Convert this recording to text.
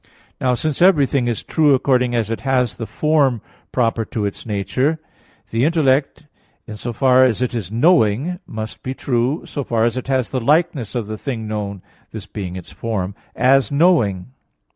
Now since everything is true according as it has the form proper to its nature, the intellect, in so far as it is knowing, must be true, so far as it has the likeness of the thing known, this being its form, as knowing.